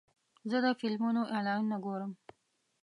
زه د فلمونو اعلانونه ګورم.